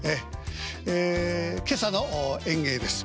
ええ今朝の演芸です。